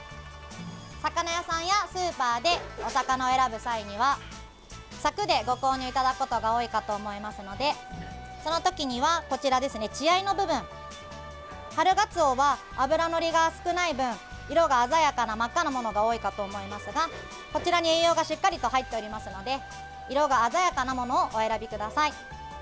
魚屋さんやスーパーでお魚を選ぶ際にはサクでご購入いただくことが多いかと思いますのでそのときには、血合いの部分春ガツオは脂のりが少ない分色が鮮やかな真っ赤なものが多いかと思いますがこちらに栄養がしっかりと入っておりますので色が鮮やかなものをお選びください。